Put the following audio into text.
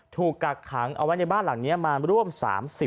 กักขังเอาไว้ในบ้านหลังนี้มาร่วม๓๐